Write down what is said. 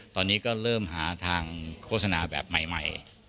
ตอนนี้ก็เริ่มหาทางโฆษณาแบบใหม่